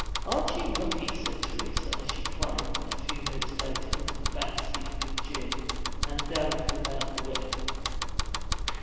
'Aren't you lucky!' said Teresa, as she climbed a few minutes later into the back seat with Jim, and Dan pulled out the whip.